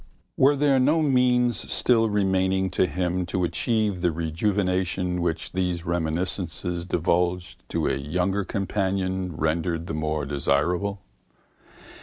Were there no means still remaining to him to achieve the rejuvenation which these reminiscences divulged to a younger companion rendered the more desirable?